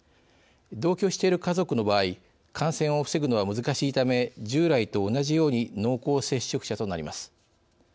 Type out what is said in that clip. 同居している家族の場合感染を防ぐのは難しいため従来と同じように濃厚接触者となります。